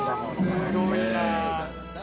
すごいなー。